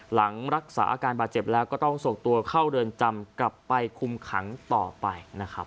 หลังรักษาอาการบาดเจ็บแล้วก็ต้องส่งตัวเข้าเรือนจำกลับไปคุมขังต่อไปนะครับ